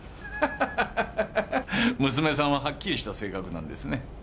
娘さんははっきりした性格なんですね。